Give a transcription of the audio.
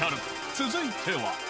続いては。